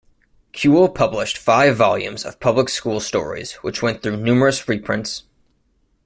Cule published five volumes of public school stories, which went through numerous reprints.